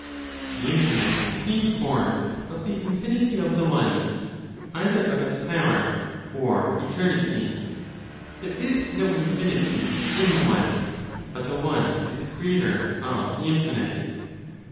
The infinite seems born of the infinity of the One, either of its power, or eternity; there is no infinity in the One, but the One is creator of the infinite.